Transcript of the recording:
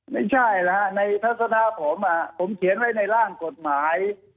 ไม่ใช่นะฮะในทัศนาผมผมเขียนไว้ในร่างกฎหมาย